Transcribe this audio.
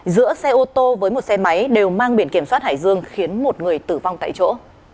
giữa xe ô tô với một xe máy đều mang biển kiểm soát hải dương khiến một người tử vong tại chỗ